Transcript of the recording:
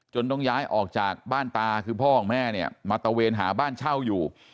ต้องย้ายออกจากบ้านตาคือพ่อของแม่เนี่ยมาตะเวนหาบ้านเช่าอยู่